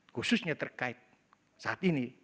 khususnya terkait saat ini